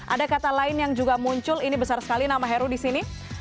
ada kata lain yang juga muncul ini besar sekali nama heru di sini